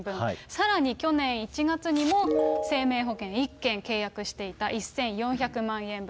さらに去年１月にも、生命保険１件契約していた、１４００万円分。